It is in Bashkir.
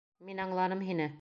Мин аңланым һине!